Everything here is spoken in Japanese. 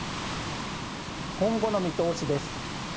今後の見通しです。